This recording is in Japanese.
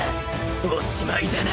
おしまいだな。